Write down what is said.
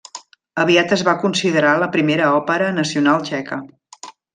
Aviat es va considerar la primera òpera nacional txeca.